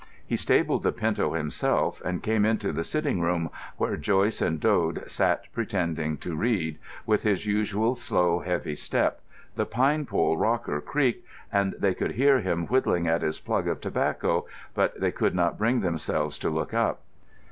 He stabled the pinto himself and came into the sitting room, where Joyce and Dode sat pretending to read, with his usual slow, heavy step. The pine pole rocker creaked, and they could hear him whittling at his plug of tobacco, but they could not bring themselves to look up.